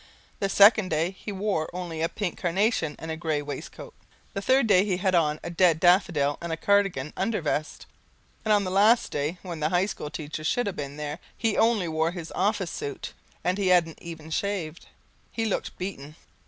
The second day he only wore a pink carnation and a grey waistcoat. The third day he had on a dead daffodil and a cardigan undervest, and on the last day, when the high school teachers should have been there, he only wore his office suit and he hadn't even shaved. He looked beaten.